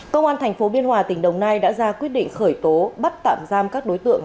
công an tp biên hòa tỉnh đồng nai đã ra quyết định khởi tố bắt tạm giam các đối tượng